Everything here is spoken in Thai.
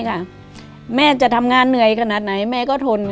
ค่ะแม่จะทำงานเหนื่อยขนาดไหนแม่ก็ทน